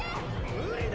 無理だ！